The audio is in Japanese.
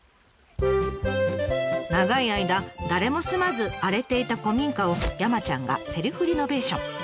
長い間誰も住まず荒れていた古民家を山ちゃんがセルフリノベーション。